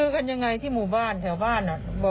ของคุณแม้ละบ้าง